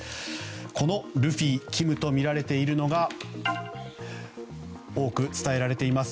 このルフィ、キムとみられているのが多く伝えられています